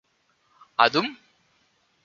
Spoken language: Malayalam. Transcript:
അതും